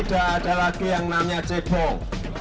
tidak ada lagi yang namanya cebong